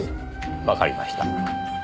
わかりました。